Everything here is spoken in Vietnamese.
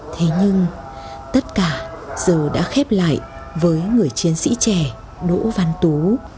thế nhưng tất cả giờ đã khép lại với người chiến sĩ trẻ đỗ văn tú